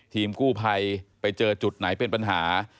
ทีมกู้ภัยไปเจอจุดไหนเป็นปัญหา